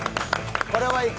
これはいい！